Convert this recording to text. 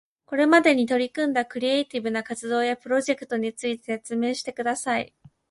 これまでに取り組んだクリエイティブな活動やプロジェクトについて説明してください